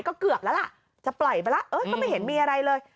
ก็เกือบแล้วล่ะจะปล่อยไปแล้วก็ไม่เห็นมีอะไรเลย